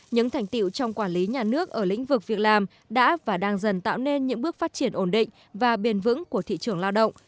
những thành tiệu trong quản lý nhà nước ở lĩnh vực việc làm đã và đang dần tạo nên những bước phát triển ổn định và bền vững của thị trường lao động